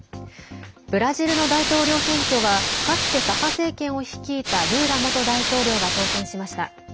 ブラジルの大統領選挙はかつて左派政権を率いたルーラ元大統領が当選しました。